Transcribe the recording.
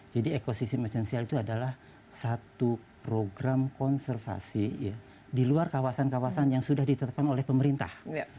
jadi ekosistem esensial itu adalah satu program konservasi di luar kawasan kawasan yang sudah ditetapkan oleh pemerintah